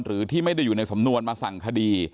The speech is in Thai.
หรือที่ไม่ได้อยู่ในสำนวนมาสั่งคดี